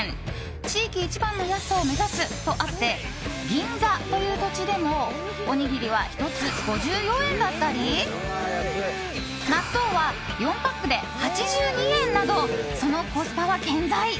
地域一番の安さを目指すとあって銀座という土地でもおにぎりは１つ５４円だったり納豆は４パックで８２円などそのコスパは健在！